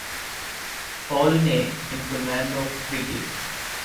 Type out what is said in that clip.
Olney in command of the frigate.